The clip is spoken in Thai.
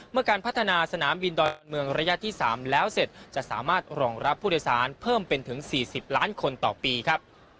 การพัฒนาสนามบินดอนเมืองระยะที่๓แล้วเสร็จจะสามารถรองรับผู้โดยสารเพิ่มเป็นถึง๔๐ล้านคนต่อปีครับ